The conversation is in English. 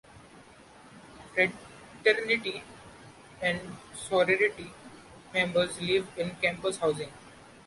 Fraternity and sorority members live in campus housing.